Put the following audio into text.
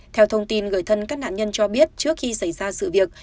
theo thông tin người thân các nạn nhân cho biết trước khi xảy ra sự việc